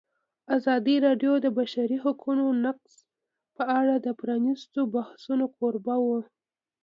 ازادي راډیو د د بشري حقونو نقض په اړه د پرانیستو بحثونو کوربه وه.